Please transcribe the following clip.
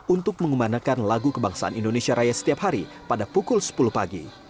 untuk mengumanakan lagu kebangsaan indonesia raya setiap hari pada pukul sepuluh pagi